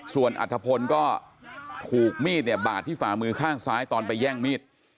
ส่วนอัธพลก็ถูกมีดเนี่ยบาดที่ฝ่ามือข้างซ้ายตอนไปแย่งมีด